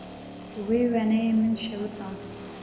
Wê wêneyê min şewitand.